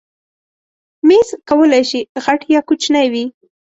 مېز کولی شي غټ یا کوچنی وي.